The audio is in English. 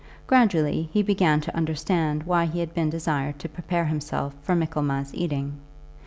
Gradually he began to understand why he had been desired to prepare himself for Michaelmas eating.